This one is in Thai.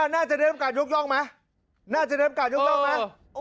น่าจะได้รับการยกย่องมั้ยน่าจะได้รับการยกย่องมั้ยเออ